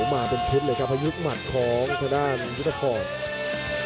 มาเป็นทิศเลยครับพยุกหมัดของชาด้านวิทยาภรณ์